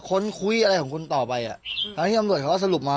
ค้นคุยอะไรของคุณต่อไปอ่ะทั้งที่ตำรวจเขาก็สรุปมา